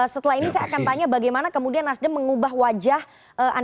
setelah ini saya akan tanya bagaimana kemudian nasdem mengubah wajah anda